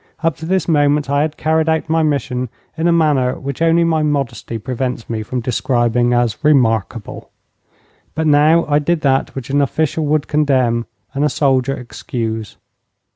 Up to this moment I had carried out my mission in a manner which only my modesty prevents me from describing as remarkable. But now I did that which an official would condemn and a soldier excuse.